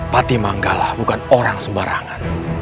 pati manggala bukan orang sembarangan